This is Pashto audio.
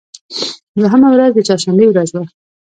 دوهمه ورځ د چهار شنبې ورځ وه.